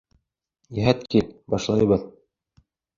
Йәһәт кил, башлайбыҙ.